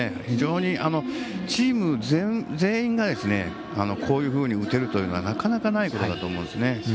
非常にチーム全員がこういうふうに打てるというのはなかなかないことだと思うんです。